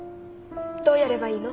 どうやればいいの？